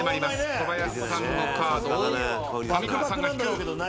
小林さんのカードを上川さんが引く。